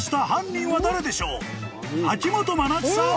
［秋元真夏さん